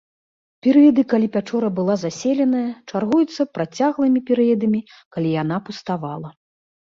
Перыяды, калі пячора была заселеная, чаргуюцца працяглымі перыядамі, калі яна пуставала.